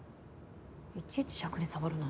いちいちしゃくに障るな。